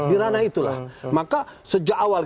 di ranah itulah maka sejak awal